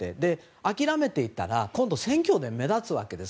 諦めていたら今度選挙で目立つわけです。